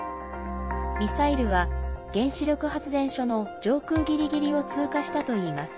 ミサイルは原子力発電所の上空ギリギリを通過したといいます。